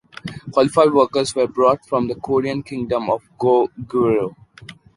Qualified workers were brought from the Korean kingdom of Goguryeo.